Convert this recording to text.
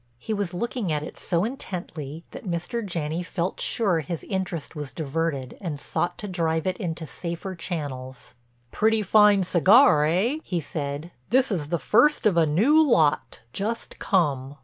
He was looking at it so intently that Mr. Janney felt sure his interest was diverted and sought to drive it into safer channels. "Pretty fine cigar, eh?" he said. "This is the first of a new lot, just come."